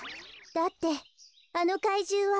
だってあのかいじゅうは。